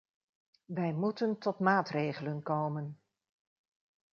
Wij moeten tot maatregelen komen.